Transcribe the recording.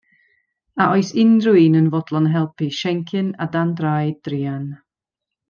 A oes unrhyw un yn fodlon helpu Siencyn a Dan Draed druan?